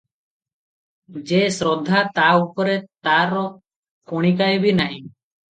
ଯେ ଶ୍ରଦ୍ଧା, ତା ଉପରେ ତାର କଣିକାଏ ବି ନାହିଁ ।